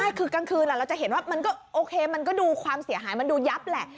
ใช่คือกลางคืนเราจะเห็นว่ามันก็โอเคมันก็ดูความเสียหายมันดูยับแหละ